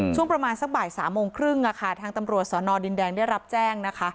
ช่วงประมาณสักบ่าย๓โมงครึ่งทางตำรวจสอนอดินแดงได้รับแจ้งนะคะ